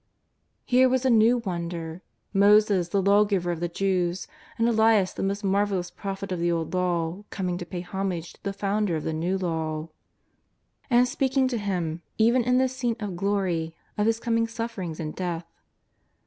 Here was a new wonder, Moses, the Lawgiver of the Jews, and Elias, the most marvellous Prophet of the Old Law, coming to pay homage to the Founder of the l^ew Law, and speaking to Him, even in this scene of glory, of His coming sufferings and death.